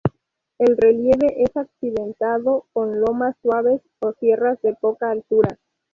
El relieve es accidentado, con lomas suaves o sierras de poca altura.